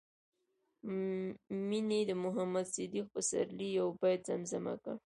مينې د محمد صديق پسرلي يو بيت زمزمه کړ